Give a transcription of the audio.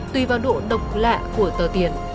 tùy vào độ độc lạ của tờ tiền